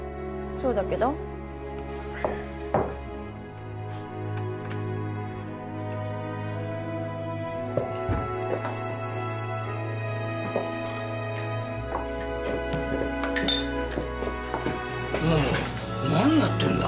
そうだけど何やってんだ？